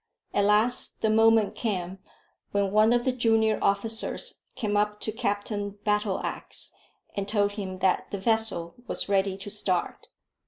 At last the moment came when one of the junior officers came up to Captain Battleax and told him that the vessel was ready to start.